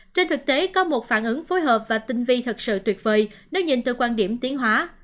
trên thực tế có một phản ứng phối hợp và tinh vi thật sự tuyệt vời nếu nhìn từ quan điểm tiến hóa